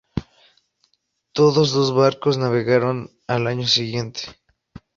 Otros dos barcos navegaron al año siguiente.